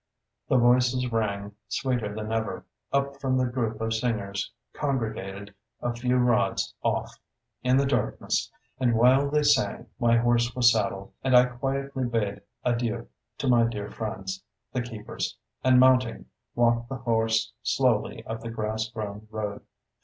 The voices rang, sweeter than ever, up from the group of singers congregated a few rods off, in the darkness; and while they sang, my horse was saddled, and I quietly bade adieu to my dear friends, the keepers, and mounting, walked the horse slowly up the grass grown road.